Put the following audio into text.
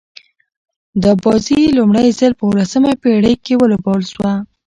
دا بازي لومړی ځل په اوولسمه پېړۍ کښي ولوبول سوه.